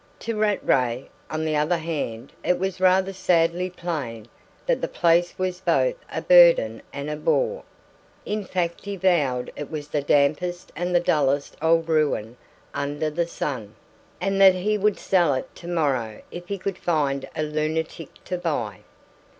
To Rattray, on the other hand, it was rather sadly plain that the place was both a burden and a bore; in fact he vowed it was the dampest and the dullest old ruin under the sun, and that he would sell it to morrow if he could find a lunatic to buy.